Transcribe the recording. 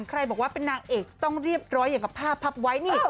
ใครบอกว่าเป็นนางเอกจะต้องเรียบร้อยอย่างกับภาพพับไว้นี่